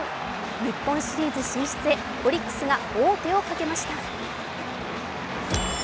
日本シリーズ進出へオリックスが王手をかけました。